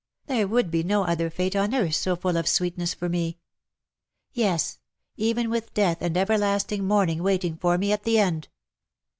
There would be no other fate on earth so full of sweetness for me. Yes_, even with death and ever lasting mourning waiting for me at the end.''''